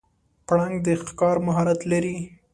پړانګ د ښکار مهارت لري.